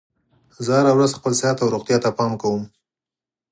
زه هره ورځ خپل صحت او روغتیا ته پام کوم